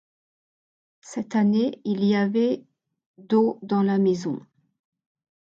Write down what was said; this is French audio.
Cette année il y avait d’eau dans la maison.